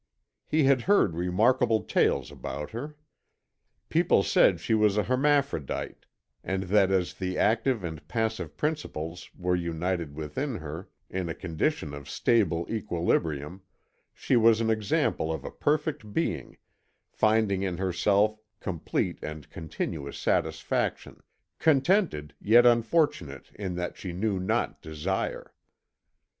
He had heard remarkable tales about her. People said she was an hermaphrodite, and that as the active and passive principles were united within her in a condition of stable equilibrium, she was an example of a perfect being, finding in herself complete and continuous satisfaction, contented yet unfortunate in that she knew not desire.